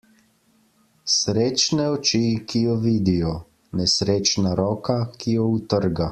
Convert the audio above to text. Srečne oči, ki jo vidijo, nesrečna roka, ki jo utrga.